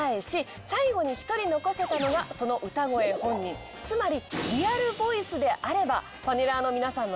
最後に１人残せたのがその歌声本人つまりリアルボイスであればパネラーの皆さんの勝利。